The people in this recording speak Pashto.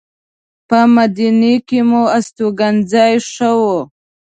په مدینه کې مو استوګنځی ښه و.